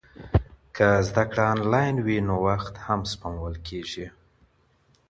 که زده کړه آنلاین وي نو وخت هم سپمول کیږي.